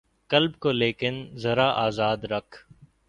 قلب کو لیکن ذرا آزاد رکھ